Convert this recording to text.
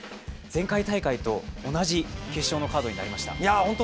前回大会と同じ決勝のカードになりました。